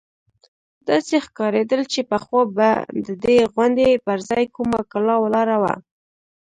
داسې ښکارېدل چې پخوا به د دې غونډۍ پر ځاى کومه کلا ولاړه وه.